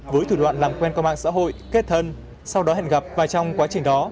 với thủ đoạn làm quen qua mạng xã hội kết thân sau đó hẹn gặp và trong quá trình đó